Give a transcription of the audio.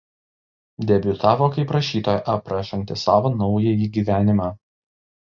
Debiutavo kaip rašytoja aprašanti savo naująjį gyvenimą.